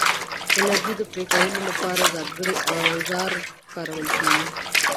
د لرګي د پرې کولو لپاره ځانګړي اوزار کارول کېږي.